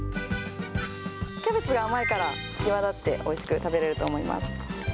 キャベツが甘いから際立っておいしく食べられると思います。